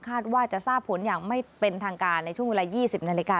ว่าจะทราบผลอย่างไม่เป็นทางการในช่วงเวลา๒๐นาฬิกา